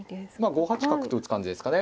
５八角と打つ感じですかね。